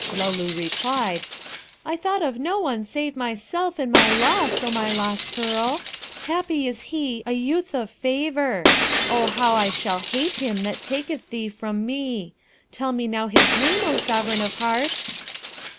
Luloo replied, 'I thought of no one save myself and my loss, O my lost pearl; happy is he, a youth of favour. Oh, how I shall hate him that taketh thee from me. Tell me now his name, O sovereign of hearts!'